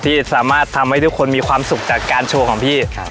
ที่สามารถทำให้ทุกคนมีความสุขจากการโชว์ของพี่